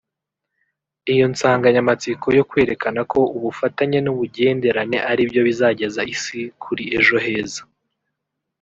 Iyo nsanganyamatsiko yo kwerekana ko ubufatanye n’ubugenderane ari byo bizageza isi kuri ejo heza